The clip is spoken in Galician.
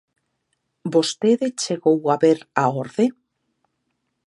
Vostede chegou a ver a orde?